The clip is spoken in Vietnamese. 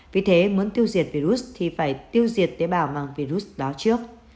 vì thế muốn tiêu diệt virus thì phải tiêu diệt tế bào mang virus đó trước